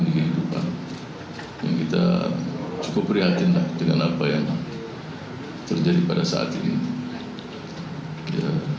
ini kehidupan yang kita cukup prihatin lah dengan apa yang terjadi pada saat ini